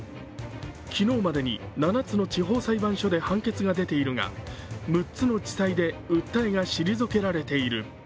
昨日までに７つの地方裁判所で判決が出ているが６つの地裁で訴えが退けられている。